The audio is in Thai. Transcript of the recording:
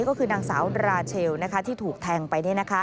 ก็คือนางสาวราเชลที่ถูกแทงไป